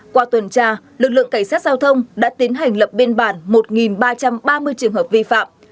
qua tuần tra lực lượng cảnh sát giao thông đã tiến hành lập biên bản một ba trăm ba mươi trường hợp vi phạm